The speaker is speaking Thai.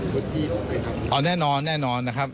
ก็จะถือว่าเป็นตัวอย่างก็ได้นะครับ